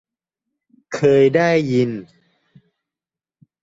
เคยได้ยิน